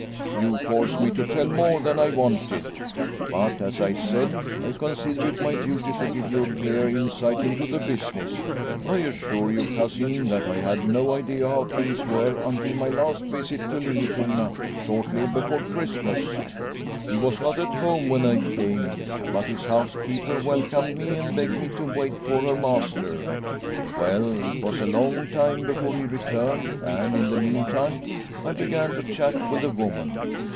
" You force me to tell more than I wanted. But, as I said, I consider it my duty to give you a clear insight into the business. I assure you, Cousin, that I had no idea how things were until my last 1 82 Liliecrona's Home visit to Liliecrona shortly before Christmas. He was not at home when I came, but his housekeeper welcomed me and begged me to wait for her master. Well, it was a long time before he returned and in the meantime I began to chat with the woman.